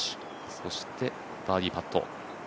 そしてバーディーパット。